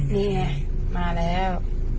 นี่ไงมาแล้ว